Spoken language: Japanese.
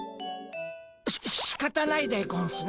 ししかたないでゴンスな。